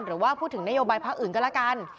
หรือว่าพูดถึงนโยบายพักอื่นก็แล้วกัน